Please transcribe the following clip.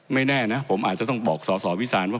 แน่นะผมอาจจะต้องบอกสอสอวิสานว่า